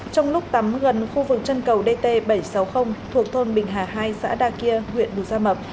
trong lúc tắm gần khu vực chân cầu dt bảy trăm sáu mươi thuộc thôn bình hà hai xã đa kia huyện đùa gia mập